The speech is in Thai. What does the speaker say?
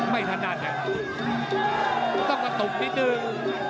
ไม่ทันดันเนี่ยต้องกระตุกนิดนึง